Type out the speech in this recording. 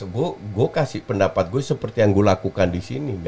gue kasih pendapat gue seperti yang gue lakukan di sini